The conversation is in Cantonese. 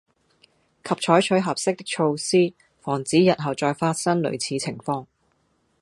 及採取合適的措施，防止日後再發生類似情況